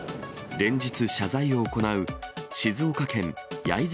連日、謝罪を行う静岡県焼津